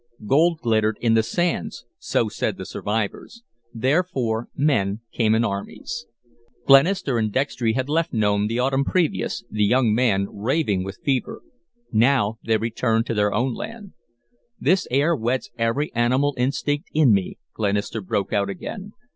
Gold glittered in the sands, so said the survivors; therefore men came in armies. Glenister and Dextry had left Nome the autumn previous, the young man raving with fever. Now they returned to their own land. "This air whets every animal instinct in me," Glenister broke out again.